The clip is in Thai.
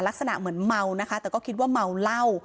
ลักษณะเหมือนเมานะคะแต่ก็คิดว่าเมาเหล้า